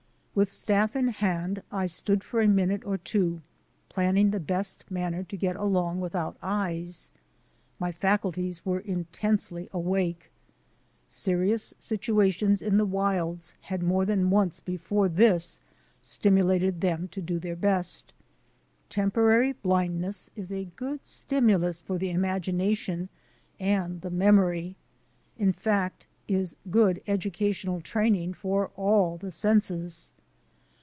With staff in hand, I stood for a minute or two planning the best manner to get along without eyes. My faculties were intensely awake. Seri ous situations in the wilds had more than once he fore this stimulated them to do their best. Tem porary blindness is a good stimulus for the imagina tion and the memory— in fact, is good educational training for all the senses.